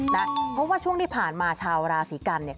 เพราะว่าช่วงที่ผ่านมาชาวราศีกันเนี่ย